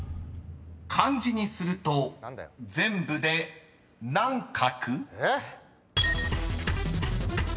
［漢字にすると全部で何画？］